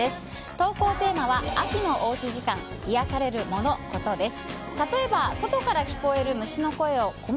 投稿テーマは、秋のおうち時間いやされるモノ・コトです。